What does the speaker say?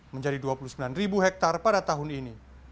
menjadi dua puluh sembilan hektare pada tahun ini